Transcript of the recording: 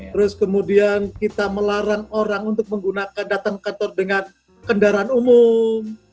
terus kemudian kita melarang orang untuk menggunakan datang kantor dengan kendaraan umum